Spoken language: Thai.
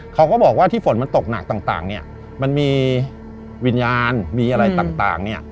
เขาก็บอกว่าที่ฝนมันตกหนักต่างเนี่ยมันมีวิญญาณมีอะไรต่างเนี่ย